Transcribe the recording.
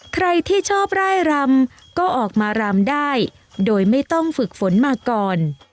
ใครที่ชอบร่ายรำก็ออกมารำได้โดยไม่ต้องฝึกฝนมาก่อน